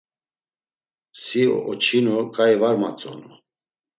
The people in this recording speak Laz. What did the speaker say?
Si oçinu ǩai var matzonu.